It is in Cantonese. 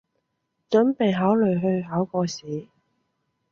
準備考慮去考個試